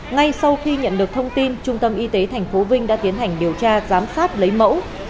ngay sau khi nhận được thông tin trung tâm y tế tp vinh đã tiến hành điều tra giám sát lấy mẫu